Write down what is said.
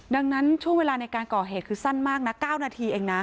ดังนั้นช่วงเวลาในการก่อเหตุคือสั้นมากนะ๙นาทีเองนะ